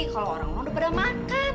kalau orang orang udah pada makan